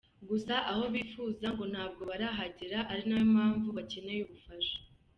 Gusa aho bifuza ngo ntabwo barahagera ari na yo mpamvu bacyeneye ubufasha.